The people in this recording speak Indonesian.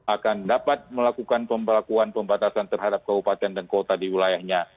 akan dapat melakukan pembelakuan pembatasan terhadap kabupaten dan kota di wilayahnya